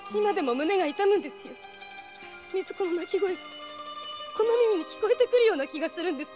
水子の泣き声が聞こえてくるような気がするんです。